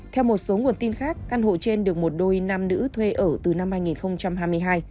theo một số nguồn tin khác căn hộ trên được một đôi nam nữ thuê ở từ năm hai nghìn hai mươi hai